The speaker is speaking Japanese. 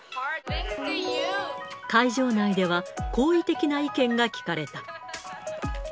会場内では、好意的な意見が聞かれた。